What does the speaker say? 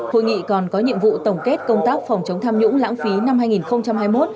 hội nghị còn có nhiệm vụ tổng kết công tác phòng chống tham nhũng lãng phí năm hai nghìn hai mươi một